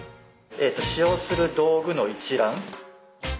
使用する道具の一覧。